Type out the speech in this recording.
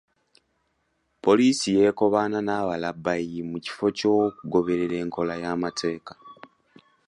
Poliisi yeekobaana n’abalabbayi mu kifo ky’okugoberera enkola ey’amateeka.